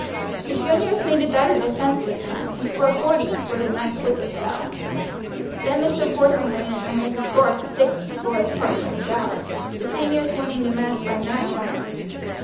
The juniors made a better defense this time and scored forty before the ninth wicket fell. Then Mr. Porson went in and ran the score up to sixty before his partner was out, the seniors winning the match by nine runs.